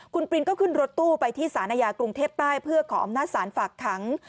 คุณปรินก็ขึ้นรถตู้ไปที่สารอาญากรุงเทพใต้เพื่อขออำนาจศาลฝากขัง